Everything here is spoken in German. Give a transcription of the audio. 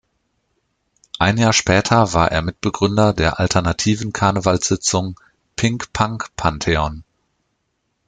Ein Jahr später war er Mitbegründer der alternativen Karnevalssitzung "Pink Punk Pantheon".